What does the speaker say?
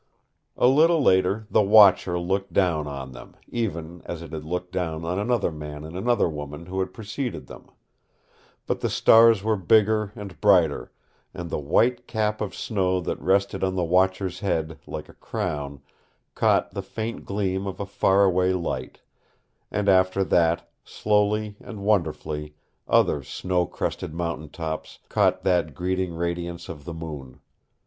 A little later the Watcher looked down on them, even as it had looked down on another man and another woman who had preceded them. But the stars were bigger and brighter, and the white cap of snow that rested on the Watcher's head like a crown caught the faint gleam of a far away light; and after that, slowly and wonderfully, other snow crested mountain tops caught that greeting radiance of the moon.